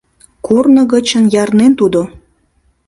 — Корно гычын ярнен тудо.